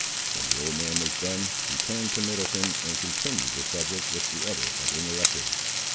When the old man was done, he turned to Middleton, and continued the subject which the other had interrupted.